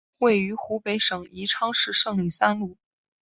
位于湖北省宜昌市胜利三路。